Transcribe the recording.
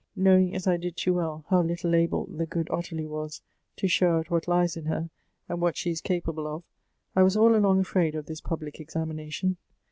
" Knowing, as I did too well, how little able the good Ottilie was to show out what lies in her, and what she is capable of, I was all along afi aid of this public examina tion.